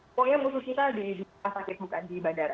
pokoknya khusus kita di rumah sakit bukan di bandara